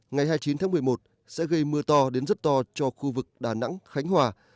ngày hai mươi chín tháng một mươi một sẽ gây mưa to đến rất to cho khu vực đà nẵng khánh hòa